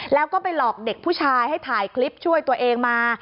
แล้วก็ไปหลอกเด็กผู้ชายให้ถ่ายคลิปช่วยตัวเองมา